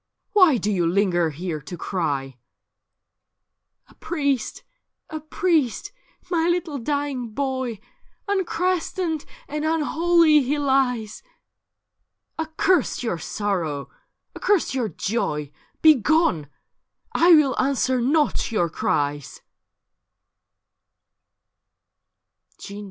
Why do you linger here to cry ?'' A priest ! A priest ! My little dying boy ! Unchristened and unholy he lies.' * Accurst your sorrow, accurst your Joy — Begone ! 1 will answer not your cries.'